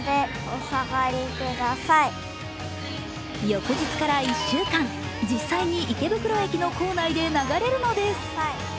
翌日から１週間、実際に池袋駅の構内で流れるのです。